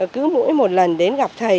cứ mỗi một lần đến gặp thầy